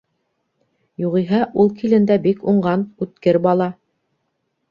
Юғиһә ул килен дә бик уңған, үткер бала.